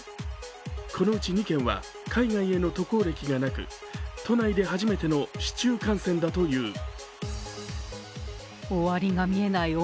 このうち２件は海外への渡航歴がなく都内で初めての市中感染だという。